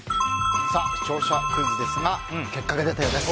視聴者クイズですが結果が出たようです。